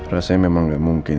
rasanya memang gak mungkin